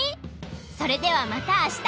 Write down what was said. それではまたあした！